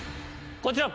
こちら。